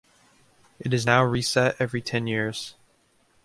It is now reset every ten years.